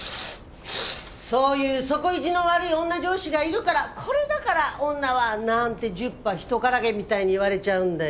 そういう底意地の悪い女上司がいるから「これだから女は」なんて十把ひとからげみたいに言われちゃうんだよ。